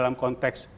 tapi dalam konteks